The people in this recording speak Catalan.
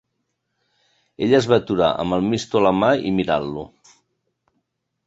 Ella es va aturar, amb el misto a la mà i mirant-lo.